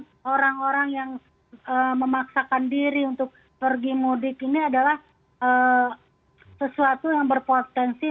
dan kejadian orang orang yang memaksakan diri untuk pergi mudik ini adalah sesuatu yang berpotensi